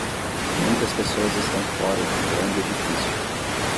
Muitas pessoas estão fora de um grande edifício.